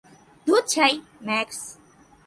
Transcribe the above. ধুর ছাই, ম্যাক্স।